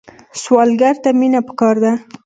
سوالګر ته مینه پکار ده